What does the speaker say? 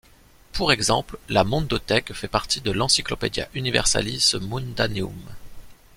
Pour exemple, la Mondothèque fait partie de l'Encyclopedia Universalis Mundaneum.